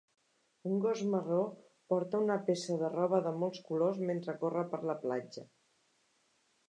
Un gos marró porta una peça de roba de molts colors mentre corre per la platja